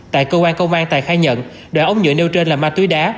tại cơ quan công an tài khai nhận đoạn ống nhựa nêu trên là ma túy đá